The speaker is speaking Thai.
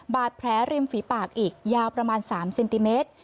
บาดแผลริมฝีปากอีกยาวประมาณ๓เซนติเมตร